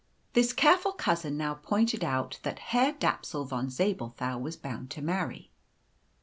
This careful cousin now pointed out that Herr Dapsul von Zabelthau was bound to marry.